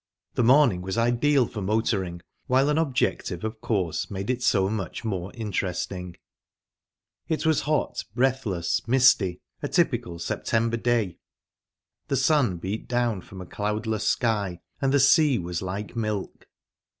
The morning was ideal for motoring, while an objective, of course, made it so much more interesting. It was hot, breathless, misty a typical September day. The sun beat down from a cloudless sky, and the sea was like milk.